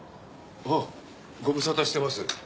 あっご無沙汰してます。